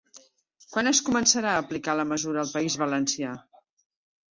Quan es començarà a aplicar la mesura al País Valencià?